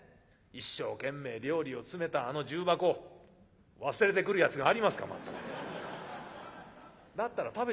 一生懸命料理を詰めたあの重箱忘れてくるやつがありますかまったく。